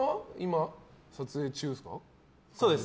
そうです。